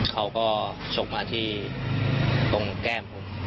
เขาก็ส่งมาที่ตรงแก้มผม